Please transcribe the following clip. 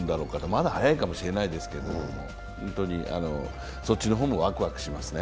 まだ早いかもしれないですけれども、本当にそっちの方もワクワクしますね。